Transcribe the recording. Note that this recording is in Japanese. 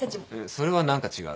それは何か違う。